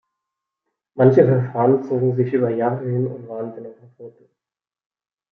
Manche Verfahren zogen sich über Jahre hin und waren dennoch erfolglos.